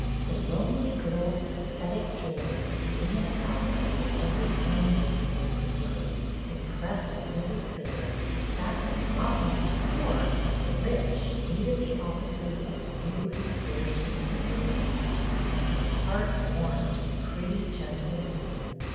The lonely girl's pathetic joy at being in a house where the lovely home ways were pre served impressed on Mrs. Baird the fact that not only the poor but the rich needed the offices of the new and flourishing Order of The Cup; and her heart warmed to the jDretty, gentle maiden.